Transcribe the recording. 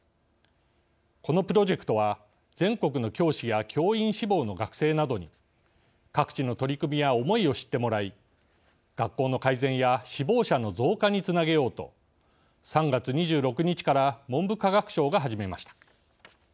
このプロジェクトは全国の教師や教員志望の学生などに各地の取り組みや思いを知ってもらい学校の改善や志望者の増加につなげようと３月２６日から文部科学省が始めました。